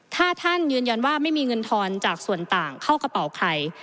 ถ้าท่านยืนยันว่าไม่มีเงินทอนจากส่วนต่างเข้ากระเป๋าใคร